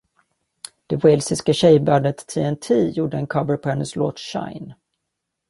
Det walesiska tjejbandet TnT gjorde en cover på hennes låt “Shine”.